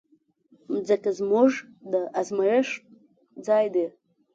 مځکه زموږ د ازمېښت ځای ده.